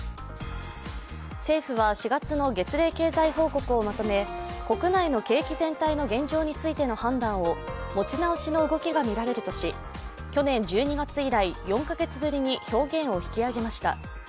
政府は、４月の月例経済報告をまとめ、国内の景気全体の現状についての判断を持ち直しの動きがみられるとし去年１２月以来、４カ月ぶりに表現を引き上げました。